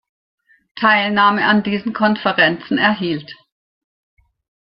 Teilnahme an diesen Konferenzen erhielt.